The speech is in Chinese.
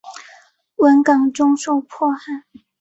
文革中受迫害。